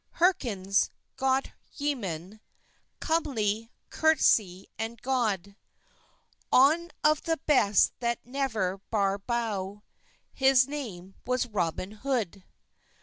Herkens, god yemen, Comley, corteysse, and god, On of the best that yever bar bou, Hes name was Roben Hode.